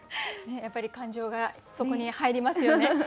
やっぱり感情がそこに入りますよね。